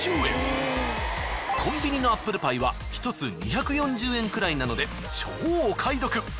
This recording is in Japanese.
コンビニのアップルパイは１つ２４０円くらいなので超お買い得！